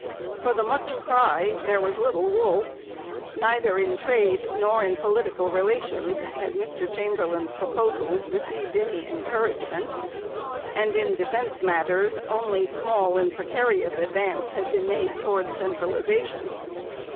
For the much cry there was little wool. Neither in trade nor in political relations had Mr Chamberlain's proposals received any encouragement, and in defence matters only small and precarious advance had been made towards centralization.